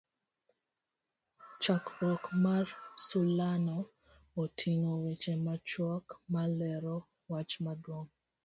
chakruok mar sulano otingo weche machuok ma lero wach maduong'